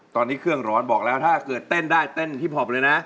ตอนนี้เครื่องร้อนบอกแล้วถ้าเกิดเต้นได้เต้นฮิปพอปเลยนะ